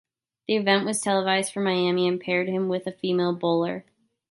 The event was televised from Miami and paired him with a female bowler.